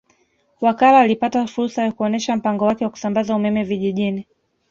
Wakala alipata fursa ya kuonesha mpango wake wa kusambaza umeme vijijini